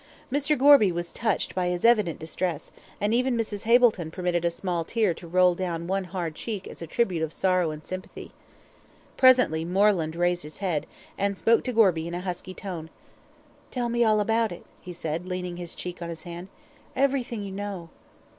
Mr. Gorby was touched by his evident distress, and even Mrs. Hableton permitted a small tear to roll down one hard cheek as a tribute of sorrow and sympathy. Presently Moreland raised his head, and spoke to Gorby in a husky tone. "Tell me all about it," he said, leaning his cheek on his hand. "Everything you know."